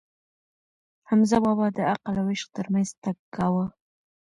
حمزه بابا د عقل او عشق ترمنځ تګ کاوه.